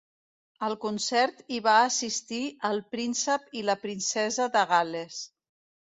Al concert hi va assistir el Príncep i la Princesa de Gal·les.